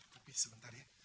tapi sebentar ya